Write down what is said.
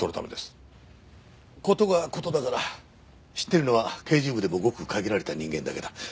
事が事だから知ってるのは刑事部でもごく限られた人間だけだ。